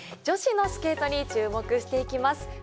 女子のスケートに注目していきます。